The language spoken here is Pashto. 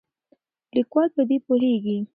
لیکوال په دې پوهیږي.